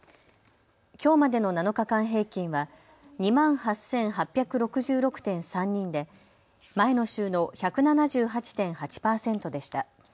きょうまでの７日間平均は２万８８６６．３人で前の週の１７８．８％でした。